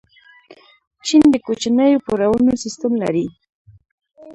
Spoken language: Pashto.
چین د کوچنیو پورونو سیسټم لري.